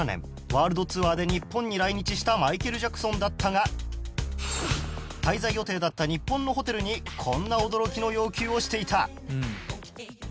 ワールドツアーで日本に来日したマイケル・ジャクソンだったが滞在予定だった日本のホテルにこんな驚きの要求をしていた